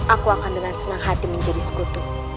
aku akan dengan senang hati menjadi sekutu